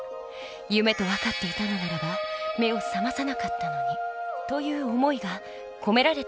夢と分かっていたのならば目を覚まさなかったのに」という思いが込められているのです。